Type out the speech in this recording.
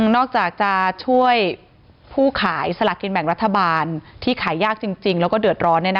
นอกจากจะช่วยผู้ขายสลากกินแบ่งรัฐบาลที่ขายยากจริงแล้วก็เดือดร้อน